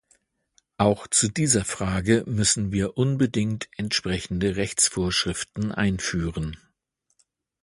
Auch zu dieser Frage müssen wir unbedingt entsprechende Rechtsvorschriften einführen.